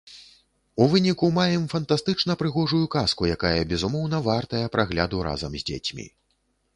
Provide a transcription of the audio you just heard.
У выніку маем фантастычна прыгожую казку, якая, безумоўна, вартая прагляду разам з дзецьмі.